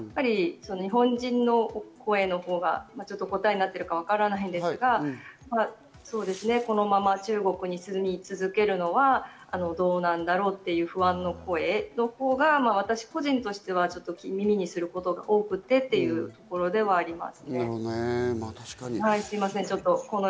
日本人の声のほうが答えになってるかわからないですが、このまま中国に住み続けるのはどうなんだろうという不安の声のほうが私個人としては耳にすることが多くてというところではあります。